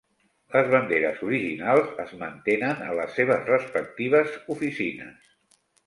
Les banderes originals es mantenen a les seves respectives oficines.